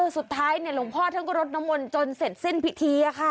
สุดท้ายหลวงพ่อท่านก็รดน้ำมนต์จนเสร็จสิ้นพิธีค่ะ